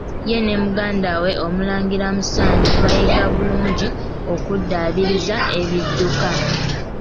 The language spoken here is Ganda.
Ye ne muganda we Omulangira Musanje baayiga bulungi okuddaabiriza ebidduka.